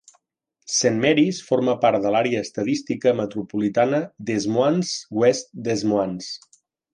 Saint Marys forma part de l'àrea estadística metropolitana Des Moines-West Des Moines.